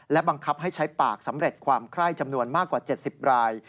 และบังคับให้ใช้ปากสำเร็จความไคร้จำนวนมากกว่า๗๐ราย